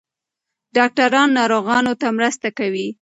ډاکټران ناروغانو ته مرسته کوي.